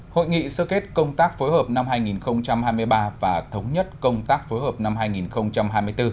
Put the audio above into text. hội nghị sơ kết công tác phối hợp năm hai nghìn hai mươi ba và thống nhất công tác phối hợp năm hai nghìn hai mươi bốn